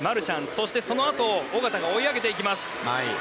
そして、そのあと小方が追い上げていきます。